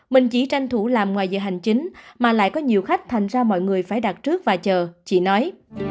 mình chỉ tranh thủ làm ngoài giờ hành chính mà lại có nhiều khách thành ra mọi người phải đặt trước và chờ chỉ nói